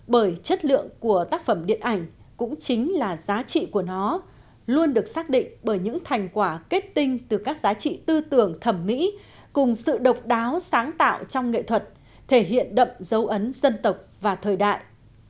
bởi chất lượng của tác phẩm điện ảnh cũng chính là giá trị của nó luôn được xác định bởi những thành quả kết tinh từ các giá trị tư tưởng thẩm mỹ cùng sự độc đáo sáng tạo trong nghệ thuật thể hiện đậm dấu ấn dân tộc và thời đại